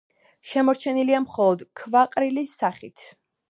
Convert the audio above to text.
შემორჩენილია მხოლოდ ქვაყრილის სახით.